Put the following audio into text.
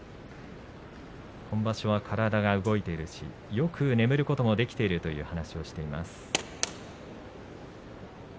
今場所は体が動いているよく眠ることができるという話をしています。